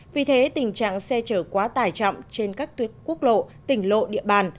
vì thế tình trạng xe chở quá tải trọng trên các tuyến quốc lộ tỉnh lộ địa bàn